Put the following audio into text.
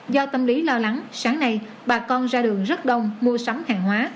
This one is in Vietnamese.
do tâm lý lo lắng sáng nay bà con ra đường rất đông mua sắm hàng hóa